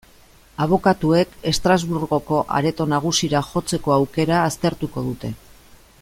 Abokatuek Estrasburgoko Areto Nagusira jotzeko aukera aztertuko dute.